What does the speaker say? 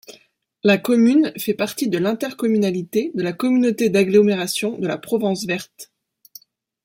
La commune fait partie de l'intercommunalité de la Communauté d'agglomération de la Provence Verte.